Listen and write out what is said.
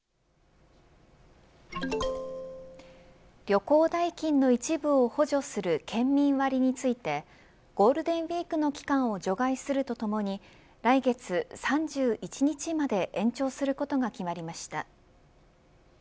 旅行代金の一部を補助する県民割についてゴールデンウイークの期間を除外するとともに来月３１日まで延長することが決まりました。